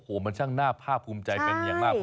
โอ้โหมันช่างน่าภาพภูมิใจเป็นอย่างมาก